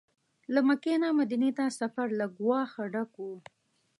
له مکې نه مدینې ته سفر له ګواښه ډک و.